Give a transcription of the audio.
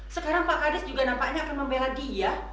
sekarang pak kades juga nampaknya akan membela dia